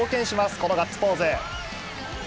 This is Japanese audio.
このガッツポーズ。